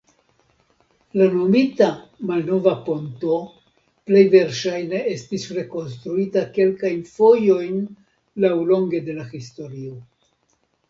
La nomita "malnova ponto" plej verŝajne estis rekonstruita kelkajn fojojn laŭlonge de la historio.